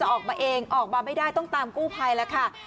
ออกมาเองออกมาไม่ได้ต้องตามกู้ภัยแล้วค่ะ